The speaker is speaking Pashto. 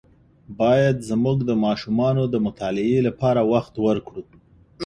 باید زموږ د ماشومانو د مطالعې لپاره وخت ورکړو.